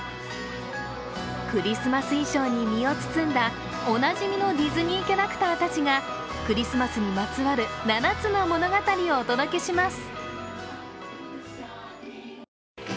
クリスマス衣装に身を包んだおなじみのディズニーキャラクターたちがクリスマスにまつわる７つの物語をお届けします。